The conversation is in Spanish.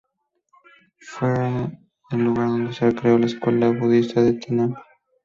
Fue el lugar donde se creó la Escuela Budista del Tiantai.